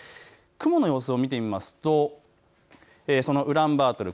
雲の様子を見てみますとそのウランバートル